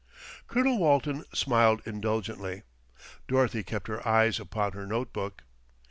Colonel Walton smiled indulgently, Dorothy kept her eyes upon her note book.